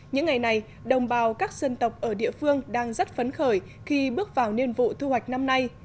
những ngày này đồng bào các dân tộc ở địa phương đang rất phấn khởi khi bước vào niên vụ thu hoạch năm nay